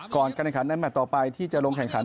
ก่อนการแข่งขันในแมทต่อไปที่จะลงแข่งขัน